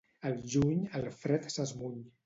Al juny, el fred s'esmuny.